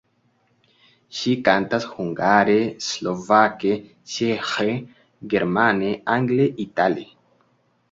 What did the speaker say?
Ŝi kantas hungare, slovake, ĉeĥe, germane, angle, itale.